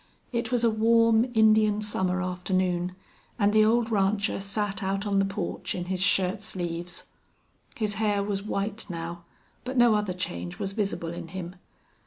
It was a warm, Indian summer afternoon, and the old rancher sat out on the porch in his shirt sleeves. His hair was white now, but no other change was visible in him.